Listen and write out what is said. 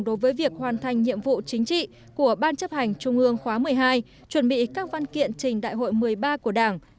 đối với việc hoàn thành nhiệm vụ chính trị của ban chấp hành trung ương khóa một mươi hai chuẩn bị các văn kiện trình đại hội một mươi ba của đảng